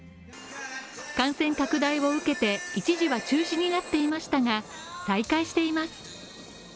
感染拡大を受けて一時は中止になっていましたが、再開しています。